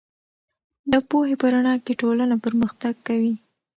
د پوهې په رڼا کې ټولنه پرمختګ کوي.